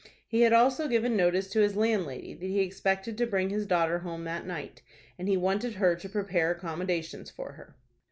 He had also given notice to his landlady that he expected to bring his daughter home that night, and he wanted her to prepare accommodations for her.